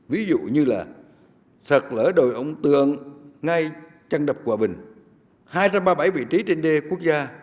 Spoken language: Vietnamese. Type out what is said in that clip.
ví dụ như là sợt lỡ đồi ông tường ngay chăn đập quả bình hai trăm ba mươi bảy vị trí trên đê quốc gia